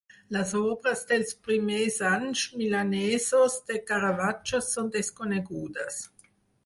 Les obres dels primers anys milanesos de Caravaggio són desconegudes.